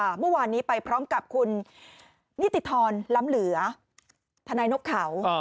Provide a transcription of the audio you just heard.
เมื่อวานนี้ไปพร้อมกับคุณนิติธรล้ำเหลือทนายนกเขา